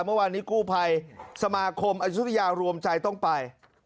เมื่อวานนี้กู้ภัยสมาคมอายุทยารวมใจต้องไป